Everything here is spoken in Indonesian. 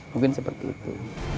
mungkin seperti itu